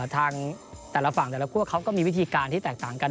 ทางแต่ละฝั่งแต่ละคั่วเขาก็มีวิธีการที่แตกต่างกัน